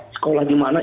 sekolah di mana